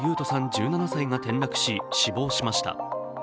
１７歳が転落し、死亡しました。